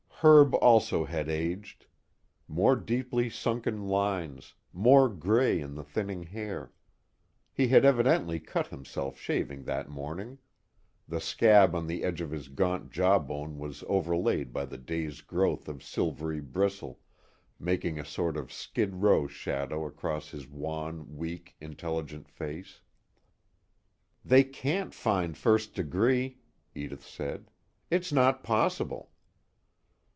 Herb also had aged. More deeply sunken lines, more gray in the thinning hair. He had evidently cut himself shaving that morning; the scab at the edge of his gaunt jawbone was overlaid by the day's growth of silvery bristle, making a sort of Skid Row shadow across his wan, weak, intelligent face. "They can't find first degree," Edith said. "It's not possible."